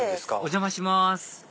お邪魔します